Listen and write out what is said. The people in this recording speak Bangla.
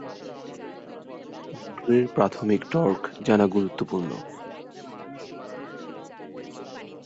মোটরের প্রাথমিক টর্ক জানা গুরুত্বপূর্ণ।